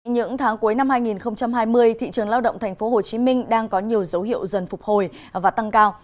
những tháng cuối năm hai nghìn hai mươi thị trường lao động tp hcm đang có nhiều dấu hiệu dần phục hồi và tăng cao